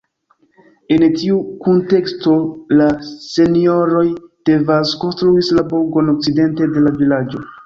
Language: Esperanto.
En tiu kunteksto la Senjoroj de Vaz konstruis la burgon okcidente de la vilaĝo.